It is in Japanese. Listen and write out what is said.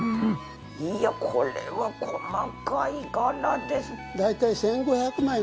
いやこれは細かい柄です！